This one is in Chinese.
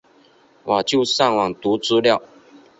我就上网读资料